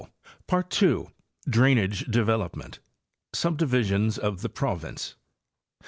Part II.—DRraAtnaGE DEVELOPMENT. SUBDIVISIONS OF THE PROVINCE.